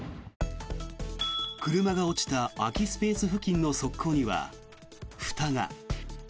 車が落ちた空きスペース付近の側溝にはふたが。